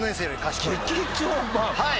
はい。